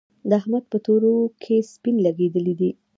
د احمد په تورو کې سپين لګېدلي دي.